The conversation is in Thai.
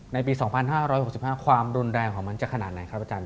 ในปี๒๕๖๕ความรุนแรงของมันจะขนาดไหนครับอาจารย